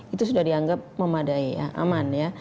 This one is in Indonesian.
itu sudah dianggap memadai ya aman ya